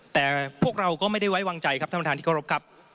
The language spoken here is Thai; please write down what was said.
แต่พวกเราก็ไม่ได้ไว้วางใจครับท่านประธานที่เคารพครับ